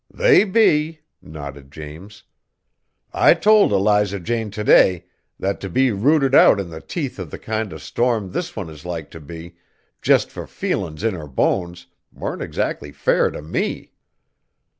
"They be!" nodded James. "I told Eliza Jane t' day, that t' be rooted out in the teeth of the kind of storm this one is like t' be, jest fur feelin's in her bones, warn't exactly fair t' me."